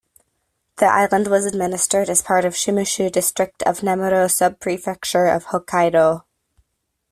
The island was administered as part of Shimushu District of Nemuro Subprefecture of Hokkaidō.